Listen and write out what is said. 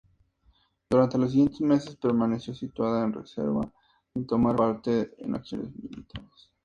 Durante los siguientes meses permaneció situada en reserva, sin tomar parte en acciones militares.